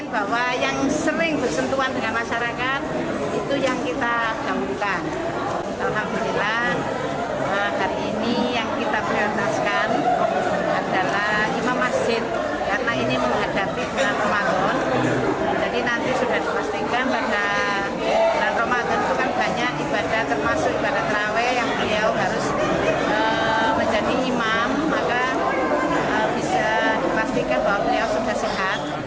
ketrawe yang beliau harus menjadi imam maka bisa dipastikan bahwa beliau sudah sehat